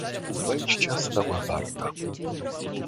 "U wejścia stała warta."